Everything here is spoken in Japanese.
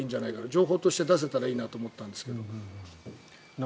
情報として出せたらいいなと思ったんですけど。